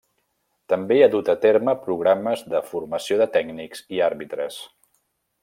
També ha dut a terme programes de formació de tècnics i àrbitres.